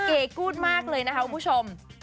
เก๋กู๊ดมากเลยนะคะคุณผู้ชม